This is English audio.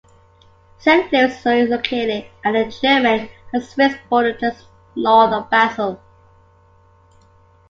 Saint-Louis is located at the German and Swiss borders, just north of Basel.